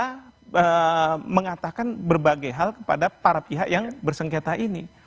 karena kita mengatakan berbagai hal kepada para pihak yang bersengketa ini